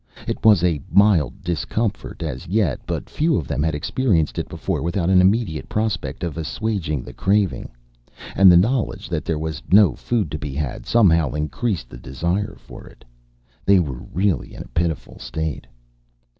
It was a mild discomfort as yet, but few of them had experienced it before without an immediate prospect of assuaging the craving, and the knowledge that there was no food to be had somehow increased the desire for it. They were really in a pitiful state.